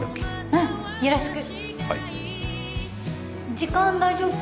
うんよろしくはい時間大丈夫？